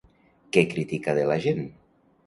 Què critica de la gent?